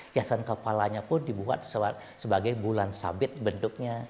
jasan kepalanya pun dibuat sebagai bulan sabit bentuknya